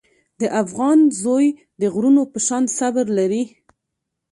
د افغان زوی د غرونو په شان صبر لري.